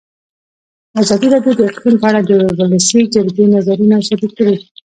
ازادي راډیو د اقلیم په اړه د ولسي جرګې نظرونه شریک کړي.